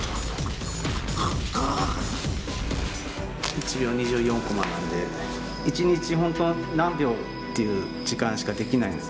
１秒２４コマなんで一日本当何秒っていう時間しかできないんです。